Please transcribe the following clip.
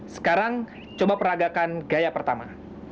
sekarang coba peragakan gaya pertama